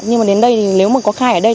nhưng mà đến đây thì nếu mà có khai ở đây